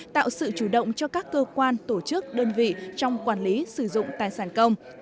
tạo sự chủ động cho các cơ quan tổ chức đơn vị trong quản lý sử dụng tài sản công